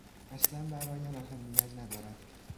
اصلا برایم اهمیت ندارد.